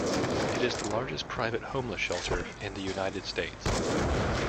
It is the largest private homeless shelter in the United States.